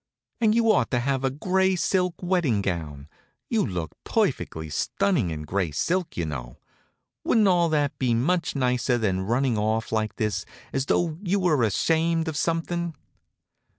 And you ought to have a gray silk wedding gown you'd look perfectly stunning in gray silk, you know. Wouldn't all that be much nicer than running off like this, as though you were ashamed of something?"